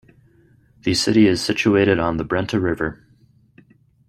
The city is situated on the Brenta River.